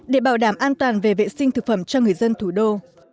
để bảo đảm an toàn về vệ sinh thực phẩm cho người dân thủ đô